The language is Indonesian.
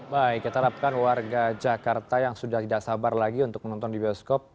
baik kita harapkan warga jakarta yang sudah tidak sabar lagi untuk menonton di bioskop